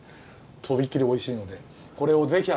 とびきりおいしいのでこれをぜひ味わって。